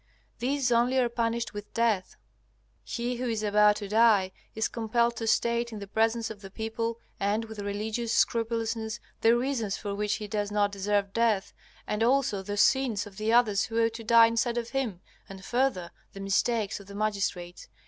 These only are punished with death. He who is about to die is compelled to state in the presence of the people and with religious scrupulousness the reasons for which he does not deserve death, and also the sins of the others who ought to die instead of him, and further the mistakes of the magistrates.